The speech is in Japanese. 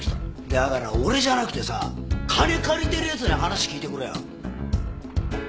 だから俺じゃなくてさ金借りてる奴に話聞いてくれよ。